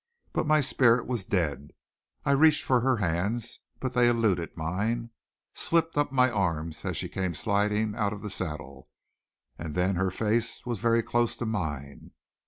But my spirit was dead. I reached for her hands, but they eluded mine, slipped up my arms as she came sliding out of the saddle, and then her face was very close to mine.